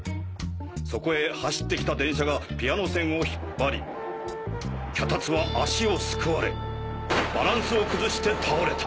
そこへ走ってきた電車がピアノ線を引っぱり脚立は足をすくわれバランスを崩して倒れた。